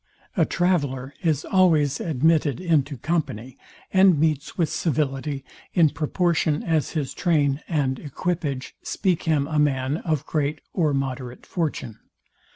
A traveller is always admitted into company, and meets with civility, in proportion as his train and equipage speak him a man of great or moderate fortune.